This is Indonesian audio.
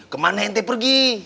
kemana nt pergi